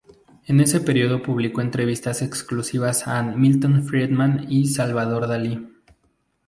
En ese periodo publicó entrevistas exclusivas a Milton Friedman y Salvador Dalí.